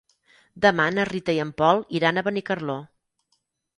Demà na Rita i en Pol iran a Benicarló.